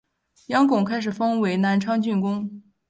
杨珙开始封为南昌郡公。